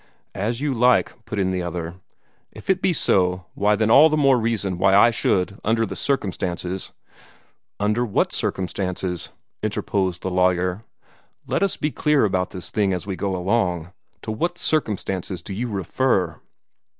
"As you like," put in the other. "If it be so, why, then all the more reason why I should, under the circumstances " "Under what circumstances?" interposed the lawyer. "Let us be clear about this thing as we go along. To what circumstances do you refer?"